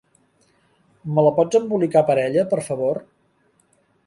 Me la pots embolicar per ella, per favor?